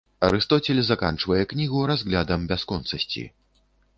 Арыстоцель заканчвае кнігу разглядам бясконцасці.